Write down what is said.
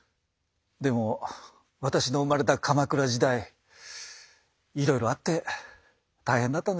でも私の生まれた鎌倉時代いろいろあって大変だったんですよ。